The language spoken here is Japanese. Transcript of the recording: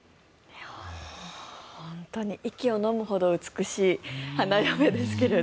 本当に息をのむほど美しい花嫁ですけれど。